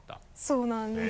そうなんです。